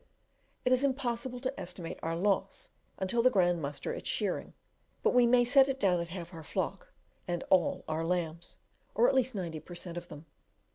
It is impossible to estimate our loss until the grand muster at shearing, but we may set it down at half our flock, and all our lambs, or at least 90 per cent. of them.